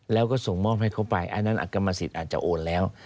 แล้วก็ส่งมอบให้เขาไปอันนั้นกรรมสิทธิ์อาจจะโอนแล้ว